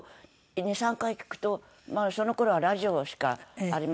２３回聴くとその頃はラジオしかありませんでした。